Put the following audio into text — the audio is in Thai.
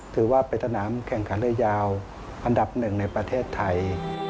ถือว่าเป็นสนามแข่งการเลือดยาวอันดับ๑ในประเทศไทย